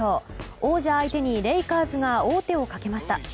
王者相手にレイカーズが王手をかけました。